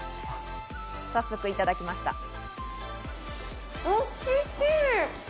早速いただきました。